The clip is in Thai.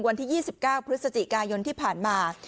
วันที่๒๙พฤศจิกายนที่ผ่านมา